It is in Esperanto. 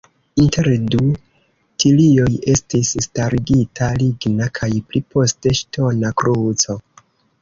Inter du tilioj estis starigita ligna kaj pli poste ŝtona kruco.